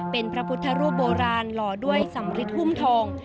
เป็นพระพุทธรูปโบราณหล่อด้วยสำริทหุ้มทอง